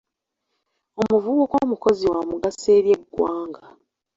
Omuvubuka omukozi wa mugaso eri eggwanga.